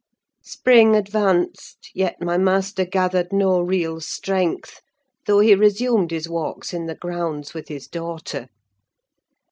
Spring advanced; yet my master gathered no real strength, though he resumed his walks in the grounds with his daughter.